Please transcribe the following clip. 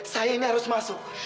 saya ini harus masuk